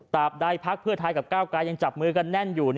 ตามไหนพักภีร์ไทยกับก้าวไกรยังจับมือกันแน่นอยู่